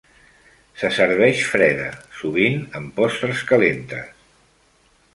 Se serveix freda, sovint amb postres calentes.